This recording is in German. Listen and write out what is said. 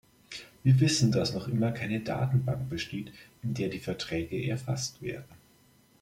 Wir wissen, dass noch immer keine Datenbank besteht, in der die Verträge erfasst werden.